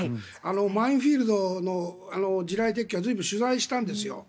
マインフィールドの地雷撤去は随分、取材したんです。